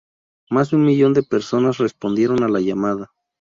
Más de un millón de personas respondieron a la llamada.